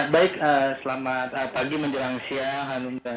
baik selamat pagi menjelang siang